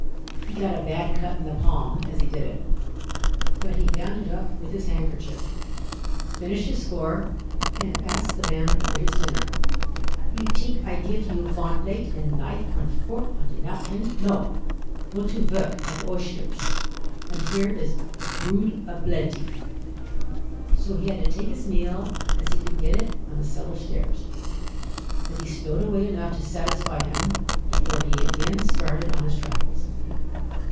He got a bad cut in the palm as he did it, but he bound it up with his handkerchief, finished his score, and asked the man for his dinner. "You tink I gif you von plate und knife und fork und napkin; no, go to vork at the oyshters, und here is brod a blenty." So he had to take his meal as he could get it on the cellar stairs, but he stowed away enough to satisfy him before he again started on his travels.